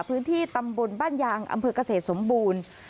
พื้นที่ตำบลบ้านยางอำเภอกเกษตรสมบูรณ์